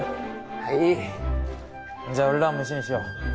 はいじゃあ俺らも飯にしよう